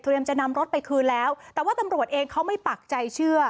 จะนำรถไปคืนแล้วแต่ว่าตำรวจเองเขาไม่ปักใจเชื่อ